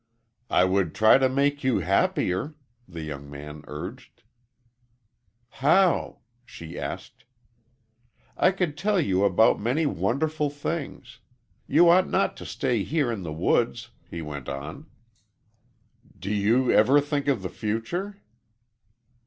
"I would try to make you happier," the young man urged. "How?" she asked. "I could tell you about many wonderful things. You ought not to stay here in the woods," he went on. "Do you never think of the future?"